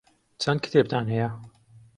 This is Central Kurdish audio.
چەند کتێبتان هەیە؟